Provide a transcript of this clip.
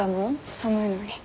寒いのに。